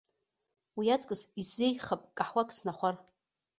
Уи аҵкыс исзеиӷьхап каҳуак снахәар!